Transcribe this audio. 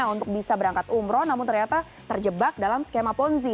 untuk bisa berangkat umroh namun ternyata terjebak dalam skema ponzi